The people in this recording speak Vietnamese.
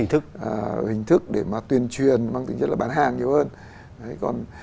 hình thức để mà tuyền truyền mang tính chất là bán hàng nhiều hơn